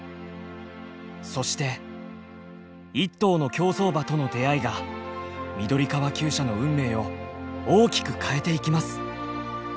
そして一頭の競走馬との出会いが緑川きゅう舎の運命を大きく変えていきます。